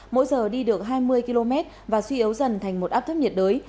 mỗi giờ đi được hai mươi km và suy yếu dần thành một áp thấp nhiệt đới